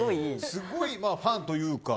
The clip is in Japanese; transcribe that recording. すごいファンというか。